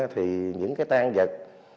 thì những cái tan vật